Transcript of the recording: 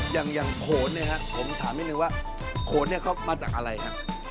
อย่างโขนเนี่ยฮะผมถามนิดนึงว่าโขนเนี่ยเขามาจากอะไรฮะ